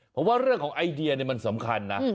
ผมว่าเรื่องของไอเดียมันสำคัญนะ